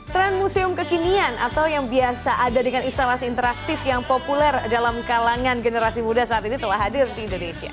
tren museum kekinian atau yang biasa ada dengan instalasi interaktif yang populer dalam kalangan generasi muda saat ini telah hadir di indonesia